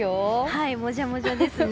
はい、もじゃもじゃですね。